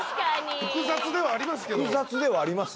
複雑ではありますよ。